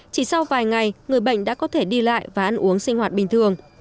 chỉ sau vài ngày người bệnh đã có thể đi lại và ăn uống sinh hoạt bình thường